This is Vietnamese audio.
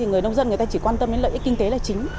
người nông dân người ta chỉ quan tâm đến lợi ích kinh tế là chính